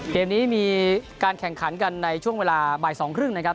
เกมนี้มีการแข่งขันกันในช่วงเวลาบ่าย๒๓๐นะครับ